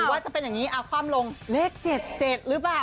ว่าจะเป็นอย่างนี้เอาความลงเลข๗๗หรือเปล่า